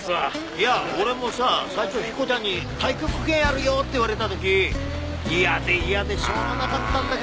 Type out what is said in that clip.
いや俺もさ最初彦ちゃんに太極拳やるよって言われた時嫌で嫌でしょうがなかったんだけどね。